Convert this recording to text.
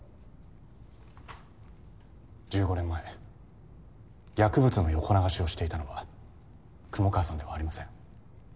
１５年前薬物の横流しをしていたのは雲川さんではありません。